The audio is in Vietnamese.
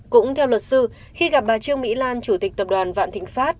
cũng theo luật sư khi gặp bà trương mỹ lan chủ tịch tập đoàn vạn thịnh pháp